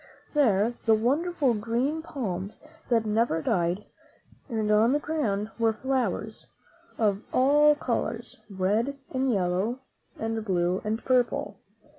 There were wonderful green palms that never died, and on the ground were flowers of all colors, red and yellow and blue and purple.